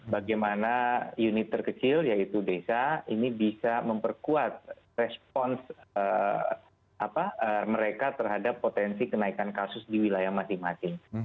bagaimana unit terkecil yaitu desa ini bisa memperkuat respons mereka terhadap potensi kenaikan kasus di wilayah masing masing